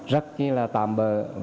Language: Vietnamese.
rất là tạm bờ không có được chủ quyền hết